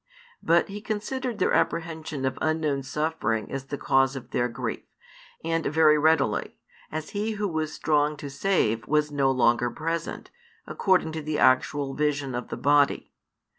But He considered their apprehension of unknown suffering as the cause of their grief, and very readily, as He Who was strong to save was no longer present, according to the actual vision of the body.